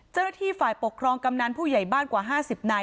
เจ้าหน้าที่ฝ่ายปกครองกำนันผู้ใหญ่บ้านกว่า๕๐นาย